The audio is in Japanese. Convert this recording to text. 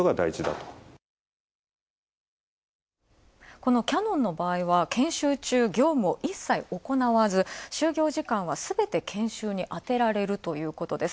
このキヤノンの場合は研修中、いっさいおこなわず、就業時間はすべて研修にあてられるということです。